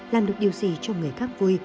làm được điều gì cho người khác vui